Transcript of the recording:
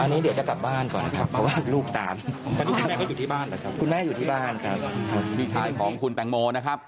อันนี้พี่ก็จะอยู่ที่นี่เลยไหมครับ